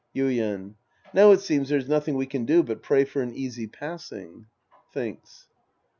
Yuien. Now it seems there's nothing we can do but pray for an easy passing. (Thinks.)